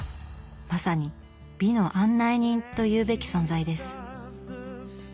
まさに「美の案内人」というべき存在です。